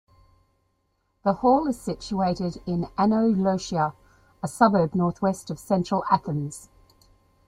The hall is situated in Ano Liosia, a suburb northwest of central Athens.